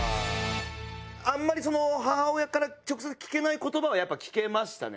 あんまり母親から直接聞けない言葉をやっぱ聞けましたね。